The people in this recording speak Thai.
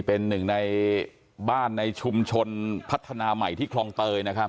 เป็นหนึ่งในบ้านในชุมชนพัฒนาใหม่ที่คลองเตยนะครับ